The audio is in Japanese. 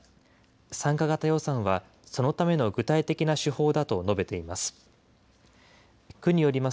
参加型予算はそのための具体的な手法だと述べています。